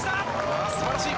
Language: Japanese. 素晴らしい。